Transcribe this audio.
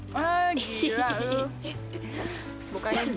wah gila lo bukannya gitu